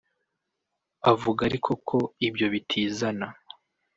Avuga ariko ko ibyo bitizana